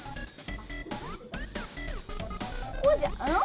こうじゃん？